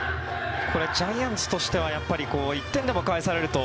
ジャイアンツとしては１点でも返されると。